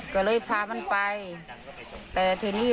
พอคุยไปคุยมาหันมาอีกที